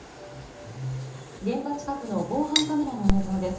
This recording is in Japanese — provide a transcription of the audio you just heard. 現場近くの防犯カメラの映像です。